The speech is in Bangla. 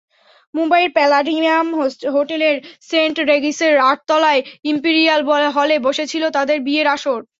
মুম্বাইয়ে প্যালাডিয়াম হোটেলের সেন্ট রেগিসের আটতলার ইমপিরিয়াল হলে বসেছিল তাঁদের বিয়ের আসর।